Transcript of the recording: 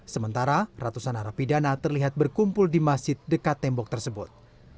sementara ratusan narapidana terlihat berkumpul di masjid dekat tembok tersebut